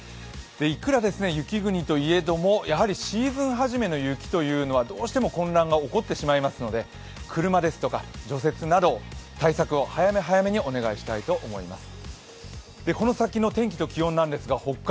いくら雪国といえどもやはりシーズンはじめの雪というのはどうしても混乱が起こってしまいますので車ですとか除雪など、対策を早め早めにお願いしたいと思います。